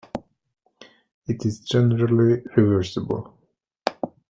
It is generally reversible.